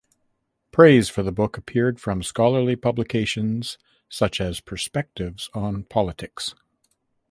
Praise for the book appeared from scholarly publications such as "Perspectives on Politics".